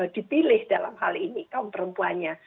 dipilih dalam hal ini kaum perempuannya